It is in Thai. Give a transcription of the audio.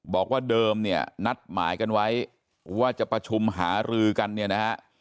บอกว่าเดิมนัดหมายกันไว้ว่าจะประชุมหาริกัน